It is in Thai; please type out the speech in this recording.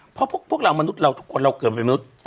เพราะพวกเรามนุษย์เราทุกคนเราเกิดเป็นมนุษย์